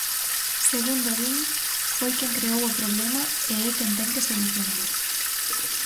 Segundo din, "foi quen creou o problema e é quen ten que solucionalo".